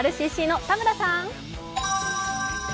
ＲＣＣの田村さん。